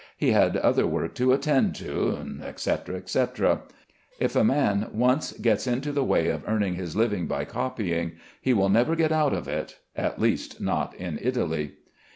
He had other work to attend to," etc., etc. If a man once gets into the way of earning his living by copying, he will never get out of it (at least not in Italy).